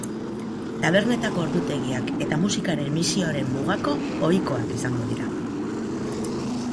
Tabernetako ordutegiak eta musikaren emisioaren mugako ohikoak izango dira.